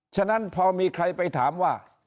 ฉะนั้นพอมีใครไปถามว่า